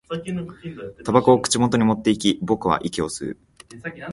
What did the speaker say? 煙草を口元に持っていき、僕は息を吸う